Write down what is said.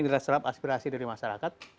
inilah serap aspirasi dari masyarakat